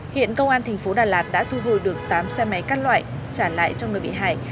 hiện công an thành phố đà lạt đã thu hồi được tám xe máy các loại trả lại cho người bị hại